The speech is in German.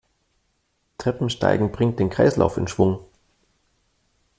Treppensteigen bringt den Kreislauf in Schwung.